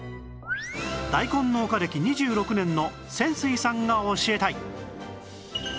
大根農家歴２６年の泉水さんが教えたい